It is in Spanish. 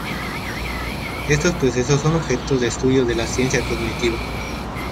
Estos procesos son objeto de estudio de la ciencia cognitiva.